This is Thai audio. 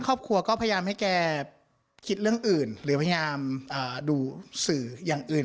ครอบครัวก็พยายามให้แกคิดเรื่องอื่นหรือพยายามดูสื่ออย่างอื่น